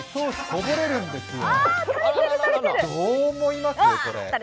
これどう思います？